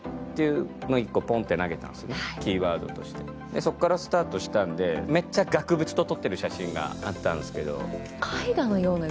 そこからスタートしたので、めっちゃ額縁と撮ってる写真があったんですけど。